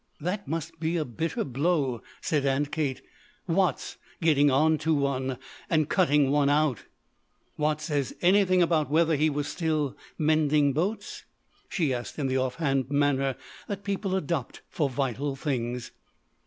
"That must be a bitter blow," said Aunt Kate. "Watts getting on to one and cutting one out. "Watts say anything about whether he was still mending boats?" she asked in the off hand manner people adopt for vital things.